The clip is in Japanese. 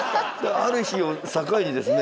ある日を境にですね